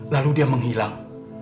lalu dia menghilang